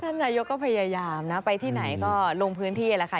นายกก็พยายามนะไปที่ไหนก็ลงพื้นที่แล้วค่ะ